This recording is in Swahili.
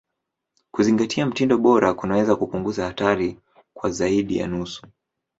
Kuzingatia mtindo bora kunaweza kupunguza hatari kwa zaidi ya nusu.